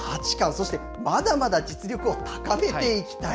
そして、まだまだ実力を高めていきたい。